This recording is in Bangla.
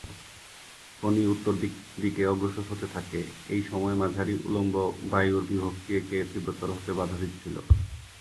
ফণী উত্তর দিকে অগ্রসর হতে থাকে, এই সময়ে মাঝারি উল্লম্ব বায়ুর বিভক্তি একে তীব্রতর হতে বাধা দিচ্ছিল।